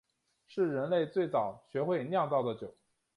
是人类最早学会酿造的酒。